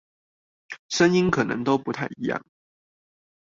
聲音可能都不太一樣